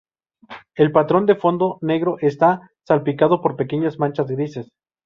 El patrón de fondo negro está salpicado por pequeñas manchas grises.